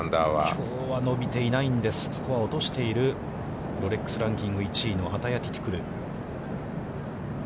きょうは伸びていないんです、スコアを落としているロレックス・ランキング１位のアタヤ・ティティクル。